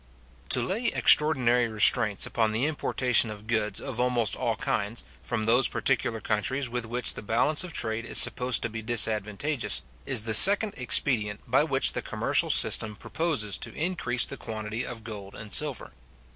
To lay extraordinary restraints upon the importation of goods of almost all kinds, from those particular countries with which the balance of trade is supposed to be disadvantageous, is the second expedient by which the commercial system proposes to increase the quantity of gold and silver.